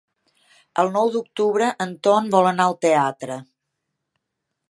El nou d'octubre en Ton vol anar al teatre.